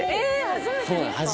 初めてですか？